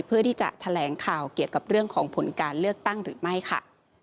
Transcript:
เพื่อที่จะแถลงข่าวเกี่ยวกับเรื่องของผลการเลือกตั้งหรือไม่ค่ะ